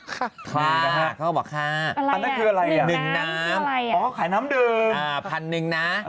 ค่ะค่ะเขาก็บอกค่ะอะไรน่ะ๑น้ำอ๋อค่ะ๑๐๑๑นะ